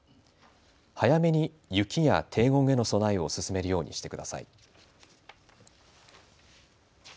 早めに雪や低温への備えを進めるようにしてください。